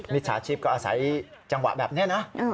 จฉาชีพก็อาศัยจังหวะแบบนี้นะ